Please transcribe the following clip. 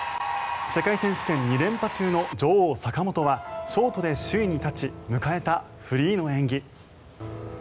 世界選手権２連覇中の女王・坂本はショートで首位に立ち迎えたフリーの演技。